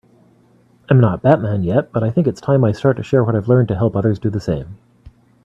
I'm not Batman yet, but I think it's time I start to share what I've learned to help others do the same.